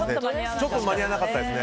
ちょっと間に合わなかったですね。